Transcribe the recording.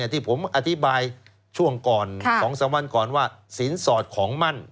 ที่ผมอธิบายช่วงก่อน๒๓วันก่อนว่าสินสอดของมั่น